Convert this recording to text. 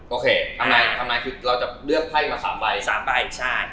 โอเคทำนายเราจะเลือกไพ่มา๓ใบ